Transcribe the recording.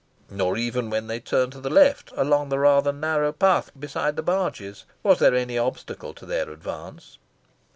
Nor even when they turned to the left, along the rather narrow path beside the barges, was there any obstacle to their advance.